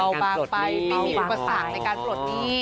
เบาบางไปมีอุปสรรคในการปลดหนี้